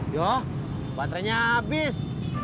yo baterainya abis